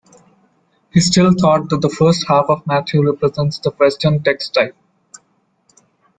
He still thought that the first half of Matthew represents the Western text-type.